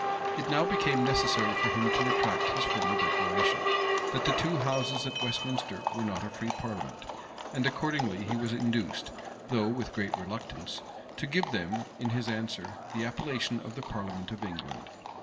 [*] It now became necessary for him to retract his former declaration, that the two houses at Westminster were not a free parliament; and accordingly he was induced, though with great reluctance, to give them, in his answer, the appellation of the parliament of England.